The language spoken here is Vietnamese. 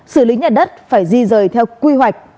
xử lý nhà đất phải di rời theo quy hoạch